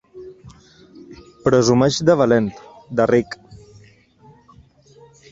Presumeix de valent, de ric.